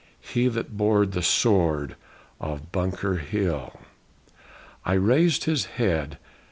he that bore The sword of Bunker Hill. I raised his head.